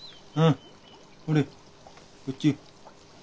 ほれこっち。